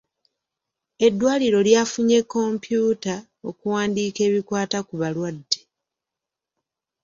Eddwaliro lyafunye kompyuta okuwandiika ebikwata ku balwadde.